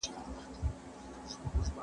نقد وکړئ خو سپکاوی نه.